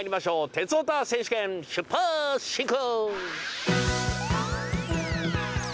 「鉄オタ選手権」出発進行！